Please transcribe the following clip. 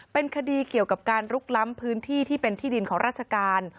เป็นคดีเกี่ยวกับการลุกล้ำพื้นที่ที่เป็นที่ดินของราชการ